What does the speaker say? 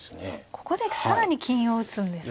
ここで更に金を打つんですか。